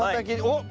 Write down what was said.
おっ。